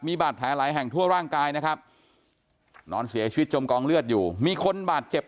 บาดแผลหลายแห่งทั่วร่างกายนะครับนอนเสียชีวิตจมกองเลือดอยู่มีคนบาดเจ็บ